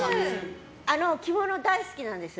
着物大好きなんです。